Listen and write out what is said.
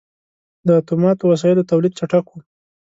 • د اتوماتو وسایلو تولید چټک و.